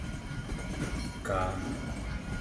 ekaa